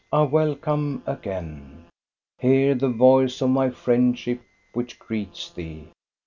Ah I welcome again ! Hear the voice of my friendship, which greets thee.